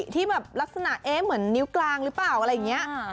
ที่แบบลักษณะเอ๊ะเหมือนนิ้วกลางหรือเปล่าอะไรอย่างนี้